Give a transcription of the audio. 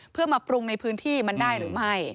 เพื่อมาปรุงในพื้นที่มันได้หรือไม่